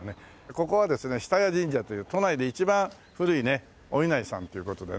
ここはですね下谷神社という都内で一番古いねお稲荷さんという事でね。